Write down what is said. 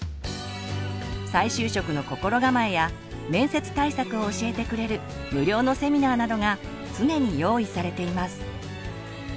再就職の心構えや面接対策を教えてくれる無料のセミナーなどが常に用意されています。